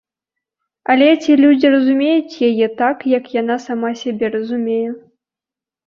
Але ці людзі разумеюць яе так, як яна сама сябе разумее?